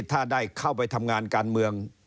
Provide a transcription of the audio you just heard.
ถ้าได้เข้าไปทำงานการเมือง